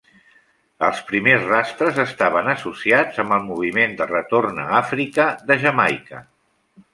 Els primers rastres estaven associats amb el moviment de retorn a Àfrica de Jamaica.